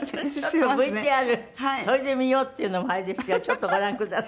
ＶＴＲそれで見ようっていうのもあれですけどちょっとご覧ください。